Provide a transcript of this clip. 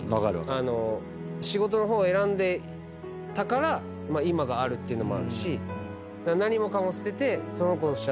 仕事の方を選んでたから今があるっていうのもあるし。